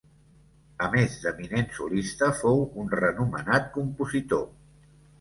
A més, d'eminent solista, fou un renomenat compositor.